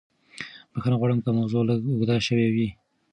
بښنه غواړم که موضوع لږه اوږده شوې وي.